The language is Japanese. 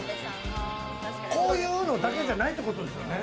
こういうのだけじゃないってことですよね。